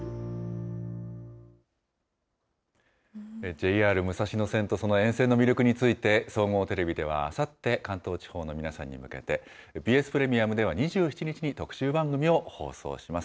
ＪＲ武蔵野線とその沿線の魅力について、総合テレビではあさって、関東地方の皆さんに向けて、ＢＳプレミアムでは２７日に特集番組を放送します。